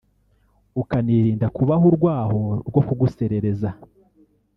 ukanirinda kubaha urwaho rwo kuguserereza